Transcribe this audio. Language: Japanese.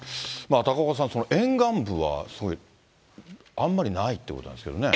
高岡さん、沿岸部はあんまりないってことなんですよね。